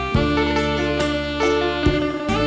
สวัสดีครับ